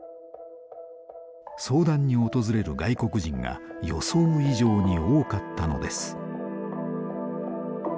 相談に訪れる外国人が予想以上に多かったのです。